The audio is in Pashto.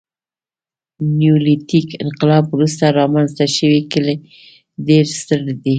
نیولیتیک انقلاب وروسته رامنځته شوي کلي ډېر ستر دي.